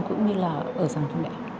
cũng như là ở sàng đường đại học